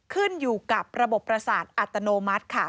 ขึ้นอยู่กับระบบประสาทอัตโนมัติค่ะ